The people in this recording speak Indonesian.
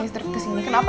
aku ga ngerti ja nya